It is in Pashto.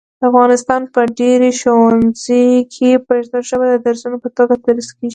د افغانستان په ډېری ښوونځیو کې پښتو ژبه د درسونو په توګه تدریس کېږي.